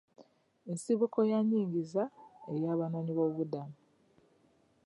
Nsibuko ya nyingiza ey'abanoonyi b'obubuddamu.